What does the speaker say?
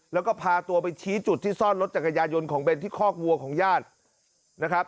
แล้วก็พาตัวไปชี้จุดที่ซ่อนรถจักรยายนของเบนที่คอกวัวของญาตินะครับ